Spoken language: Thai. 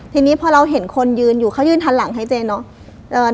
ทีนี้พอเราเห็นคนยืนอยู่เขายืนทันหลังให้เจ๊เนอะ